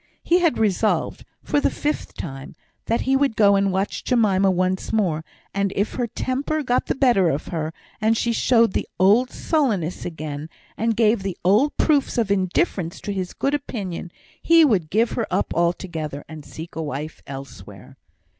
He had resolved (for the fifth time) that he would go and watch Jemima once more, and if her temper got the better of her, and she showed the old sullenness again, and gave the old proofs of indifference to his good opinion, he would give her up altogether, and seek a wife elsewhere.